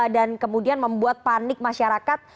dan kemudian membuat panik masyarakat